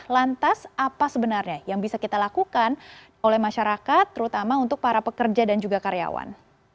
lantas apa sebenarnya yang bisa kita lakukan oleh masyarakat terutama untuk para pekerja dan juga karyawan